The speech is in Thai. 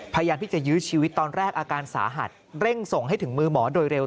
พยายามที่จะยื้อชีวิตตอนแรกอาการสาหัสเร่งส่งให้ถึงมือหมอโดยเร็ว